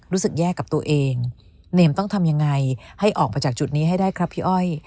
รู้สึกแย่กับตัวเองเนมต้องทำยังไงให้ออกมาจากจุดนี้ให้ได้ครับพี่อ้อย